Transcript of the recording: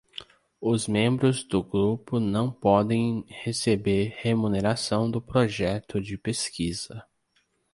Os membros do grupo não podem receber remuneração do projeto de pesquisa.